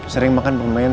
sering makan pemain